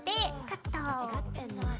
カット。